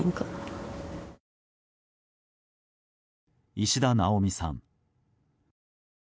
石田奈央美さん。